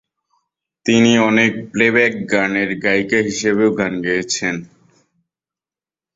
তিনি অনেক প্লেব্যাক গানের গায়িকা হিসেবেও গান গেয়েছেন।